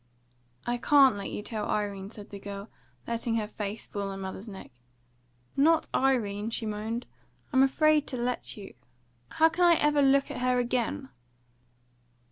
"I can't let you tell Irene," said the girl, letting fall her face on her mother's neck. "Not Irene," she moaned. "I'm afraid to let you. How can I ever look at her again?"